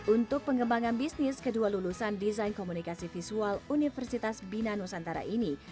untuk pengembangan bisnis kedua lulusan desain komunikasi visual universitas bina nusantara ini